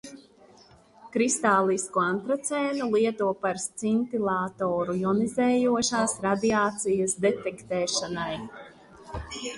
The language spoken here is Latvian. Kristālisku antracēnu lieto par scintilatoru jonizējošās radiācijas detektēšanai.